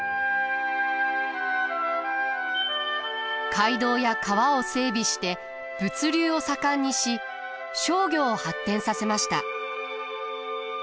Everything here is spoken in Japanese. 街道や川を整備して物流を盛んにし商業を発展させました。